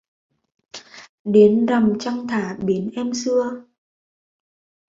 Để rằm trăng thả bến em xưa